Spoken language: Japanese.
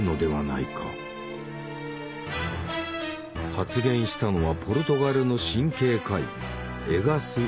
発言したのはポルトガルの神経科医エガス・モニス。